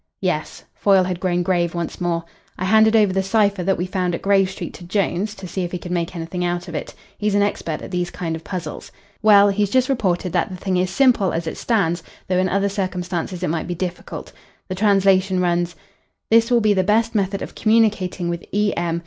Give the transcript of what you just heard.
"Yes." Foyle had grown grave once more. "I handed over the cipher that we found at Grave Street to Jones, to see if he could make anything out of it. He's an expert at these kind of puzzles. Well, he's just reported that the thing is simple as it stands though in other circumstances it might be difficult. The translation runs "This will be the best method of communicating with E. M.